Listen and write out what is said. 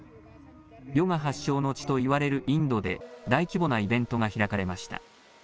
ヨガ発祥の地といわれるインドで、大規模なイベントが開かれました。